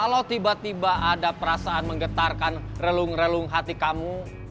kalau tiba tiba ada perasaan menggetarkan relung relung hati kamu